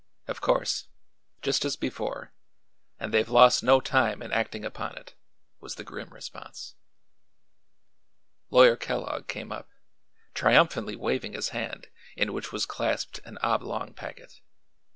"Of course; just as before; and they've lost no time in acting upon it," was the grim response. Lawyer Kellogg came up, triumphantly waving his hand, in which was clasped an oblong packet.